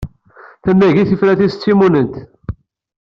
Tamagit tifrat-is d timunent!